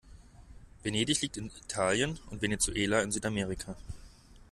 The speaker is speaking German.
Venedig liegt in Italien und Venezuela in Südamerika.